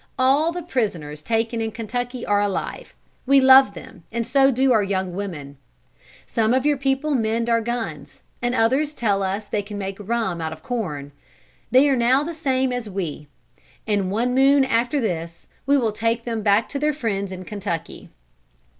All the prisoners taken in Kentucky are alive. We love them, and so do our young women. Some of your people mend our guns, and others tell us they can make rum out of corn. They are now the same as we. In one moon after this we will take them back to their friends in Kentucky.